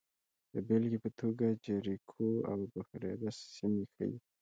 د بېلګې په توګه جریکو او ابوهریره سیمې ښيي